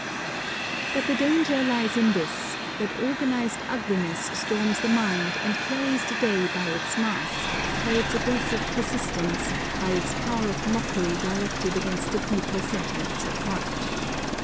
But the danger lies in this, that organised ugliness storms the mind and carries the day by its mass, by its aggressive persistence, by its power of mockery directed against the deeper sentiments of heart.